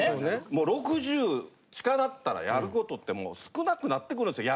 もう６０近なったらやることってもう少なくなってくるんですよ。